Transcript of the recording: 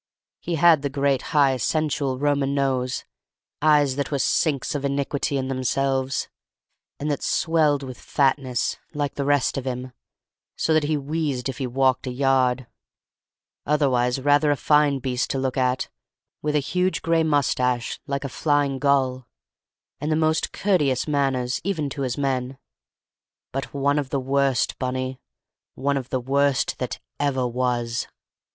He had the great high sensual Roman nose, eyes that were sinks of iniquity in themselves, and that swelled with fatness, like the rest of him, so that he wheezed if he walked a yard; otherwise rather a fine beast to look at, with a huge gray moustache, like a flying gull, and the most courteous manners even to his men; but one of the worst, Bunny, one of the worst that ever was.